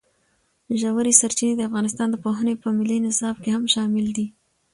ژورې سرچینې د افغانستان د پوهنې په ملي نصاب کې هم شامل دي.